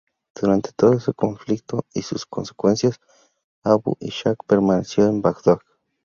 Durante todo el conflicto y sus consecuencias, Abu Ishaq permaneció en Bagdad.